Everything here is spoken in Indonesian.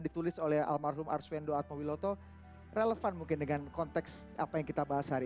ditulis oleh almarhum arswendo atmawiloto relevan mungkin dengan konteks apa yang kita bahas hari